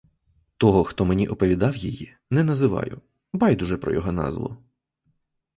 Того, хто мені оповідав її, не називаю, — байдуже про його назву.